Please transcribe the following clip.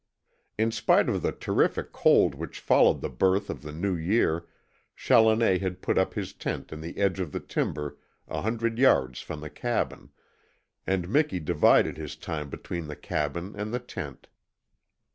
In spite of the terrific cold which followed the birth of the new year Challoner had put up his tent in the edge of the timber a hundred yards from the cabin, and Miki divided his time between the cabin and the tent.